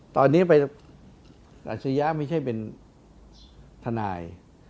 คราชริยะไม่ใช่ทำทานาย